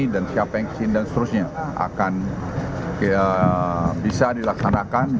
dan siapa yang kesini dan seterusnya akan bisa dilaksanakan